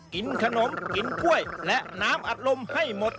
กินขนมกินถ้วยและน้ำอัดลมให้หมด